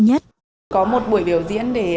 nhất có một buổi biểu diễn để